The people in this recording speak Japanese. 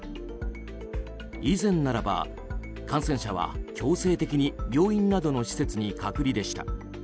以前ならば感染者は強制的に病院などの施設に隔離でした。